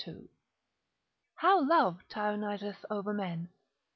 —_How Love tyranniseth over men.